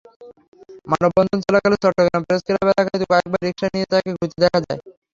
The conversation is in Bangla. মানববন্ধন চলাকালে চট্টগ্রাম প্রেসক্লাব এলাকায় কয়েকবার রিকশা নিয়ে তাঁকে ঘুরতে দেখা যায়।